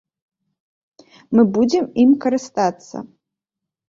Мы будзем ім карыстацца.